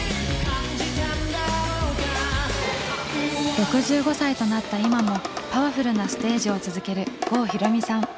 ６５歳となった今もパワフルなステージを続ける郷ひろみさん。